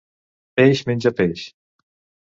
Peix menja peix.